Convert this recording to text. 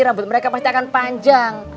rambut mereka pasti akan panjang